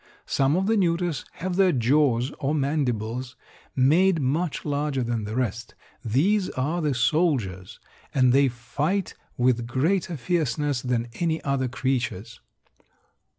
Some of the neuters have their jaws, or mandibles, made much larger than the rest. These are the soldiers, and they fight with greater fierceness than any other creatures.